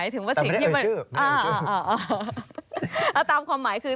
แต่ไม่ได้เอาชื่อ